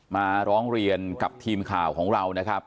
มาร้องเรียนกับทีมข่าวของเรานะครับ